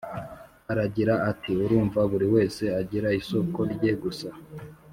aragira ati" urumva buri wese agira isoko rye gusa